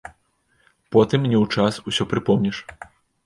Потым, не ў час, ўсё прыпомніш.